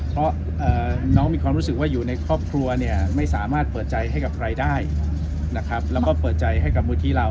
เพราะน้องมีความรู้สึกว่าอยู่ในครอบครัวเนี่ยไม่สามารถเปิดใจให้กับใครได้นะครับแล้วก็เปิดใจให้กับมูลที่เรา